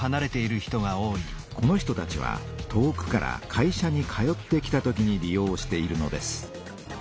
この人たちは遠くから会社に通ってきた時に利用しているのです。